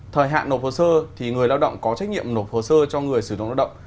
thời hạn nộp hồ sơ thì người lao động có trách nhiệm nộp hồ sơ cho người sử dụng lao động